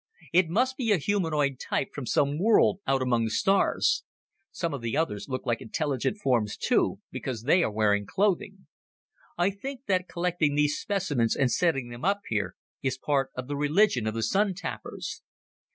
It must be a humanoid type from some world out among the stars. Some of the others look like intelligent forms, too, because they are wearing clothing. "I think that collecting these specimens and setting them up here is part of the religion of the Sun tappers."